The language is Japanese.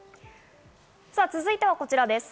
続いてはこちらです。